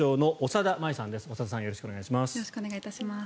長田さんよろしくお願いします。